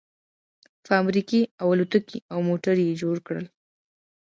فابريکې او الوتکې او موټر يې جوړ کړل.